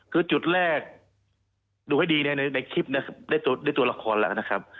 คือจุดแรกนี่ดูให้ดีในคลิปนะครับได้ตัวละครละครับ